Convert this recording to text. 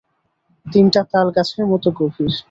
তিনটা তাল গাছের মতো গভীর।